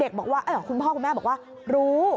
เด็กบอกว่าเอ้ยคุณพ่อคุณแม่บอกว่ารู้